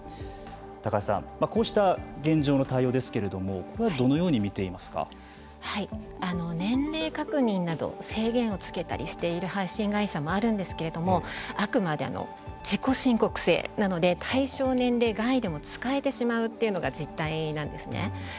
高橋さん、こうした現状の対応ですけれども年齢確認など制限をつけたりしている配信会社もあるんですけれどもあくまで自己申告制なので対象年齢外でも使えてしまうというのが実態なんですね。